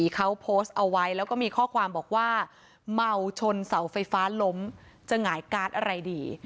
เขาโพสต์เอาไว้แล้วก็มีข้อความบอกว่าเมาชนเสาไฟฟ้าล้มจะหงายการ์ดอะไรดี